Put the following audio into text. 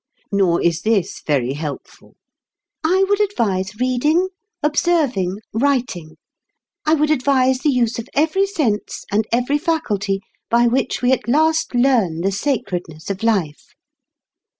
Nor is this very helpful: "I would advise reading, observing, writing. I would advise the use of every sense and every faculty by which we at last learn the sacredness of life."